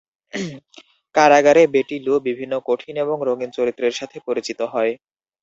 কারাগারে, বেটি লু বিভিন্ন কঠিন এবং রঙিন চরিত্রের সাথে পরিচিত হয়।